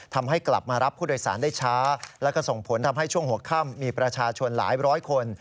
ทำให้กลับมารับผู้โดยสารได้ช้าแล้วก็ส่งผลทำให้ช่วงหัวค่ำมีประชาชนหลายร้อยคน